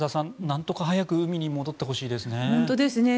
なんとか早く海に戻ってほしいですね。